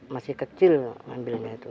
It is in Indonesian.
masih kecil mengambilnya itu